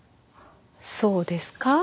そうですか？